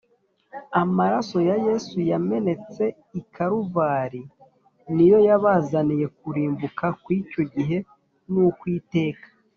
amaraso ya yesu yamenetse i kaluvari niyo yabazaniye kurimbuka kw’icyo gihe n’ukw’iteka